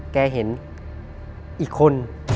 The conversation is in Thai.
แกเห็นอีกคน